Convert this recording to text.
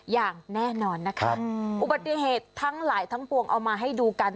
อย่างแน่นอนนะคะอุบัติเหตุทั้งหลายทั้งปวงเอามาให้ดูกัน